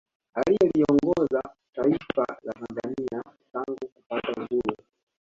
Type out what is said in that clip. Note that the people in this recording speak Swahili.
Aliyeliongoza taifa la Tanzania tangu kupata uhuru